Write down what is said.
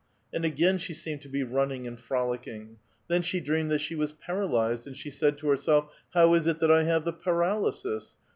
And again she seemed to be running and frolicking. Then she dreamed that she was paralyzed, and she said to herself :" How is it that I have the paralysis?